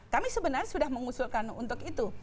kami sebenarnya sudah mengusulkan untuk itu